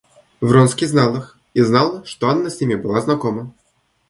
Вронский знал их и знал, что Анна с ними была знакома.